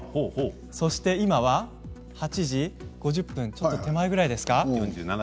そして今は８時５０分ちょっと手前ぐらいですか。